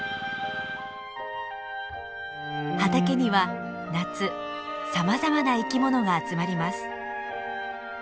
畑には夏さまざまな生きものが集まります。